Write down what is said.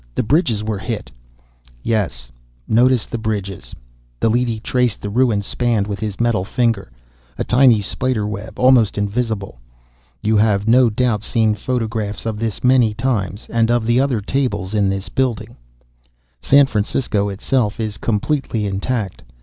The bridges were hit " "Yes, notice the bridges." The leady traced the ruined span with his metal finger, a tiny spider web, almost invisible. "You have no doubt seen photographs of this many times, and of the other tables in this building. "San Francisco itself is completely intact.